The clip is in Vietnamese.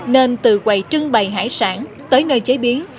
nên từ quầy trưng bày hải sản tới nơi chế biến